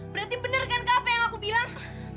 berarti bener kak apa yang aku bilang